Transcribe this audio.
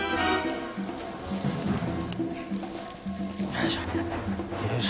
よいしょ。